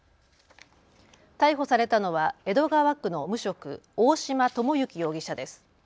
逮捕されたのは江戸川区の無職、大島智幸容疑者です。